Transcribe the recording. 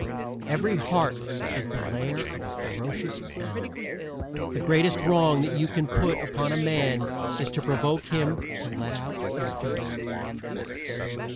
Every heart is the lair of a ferocious animal. The greatest wrong that you can put upon a man is to provoke him to let out his beast.